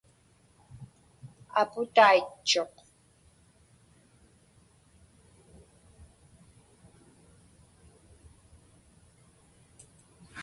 Aputaitchuq.